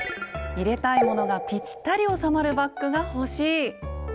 入れたいものがぴったり収まるバッグが欲しい！